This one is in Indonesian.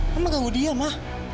mama enggak mau diam ma